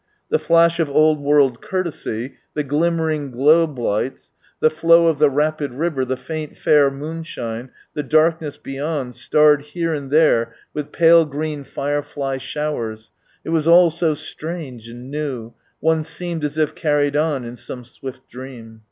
The flash of old world courtesy, the glimmering globe hghts, the flow of the rapid river, the faint fair moonshine, the darkness beyond, starred here and there with pale green firefly showers— it was all so strange and new, one seemed as if carried on in some swift dream.